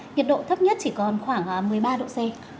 nhiệt độ thấp nhất chỉ còn khoảng một mươi ba độ c